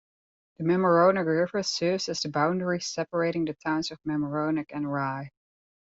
The Mamaroneck River serves as the boundary separating the towns of Mamaroneck and Rye.